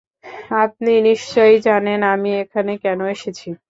আপনি নিশ্চয়ই জানেন আমি এখানে কেন এসেছি।